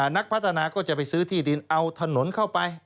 นักพัฒนาก็จะไปซื้อที่ดินเอาถนนเข้าไป